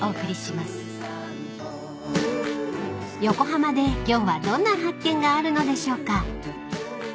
［横浜で今日はどんな発見があるのでしょうか］